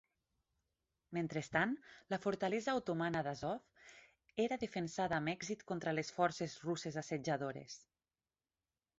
Mentrestant, la fortalesa otomana d'Azov era defensada amb èxit contra les forces russes assetjadores.